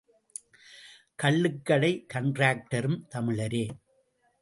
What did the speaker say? கள்ளுக்கடை காண்ட்ராக்டரும் தமிழரே.